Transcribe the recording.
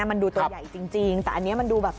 มันดูตัวใหญ่จริงแต่อันนี้มันดูแบบ